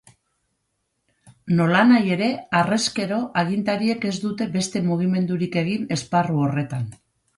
Nolanahi ere, harrezkero agintariek ez dute beste mugimendurik egin esparru horretan.